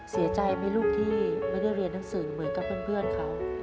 เสียใจไหมลูกที่ไม่ได้เรียนหนังสือเหมือนกับเพื่อนเขา